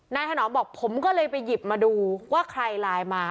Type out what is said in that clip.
ถนอมบอกผมก็เลยไปหยิบมาดูว่าใครไลน์มา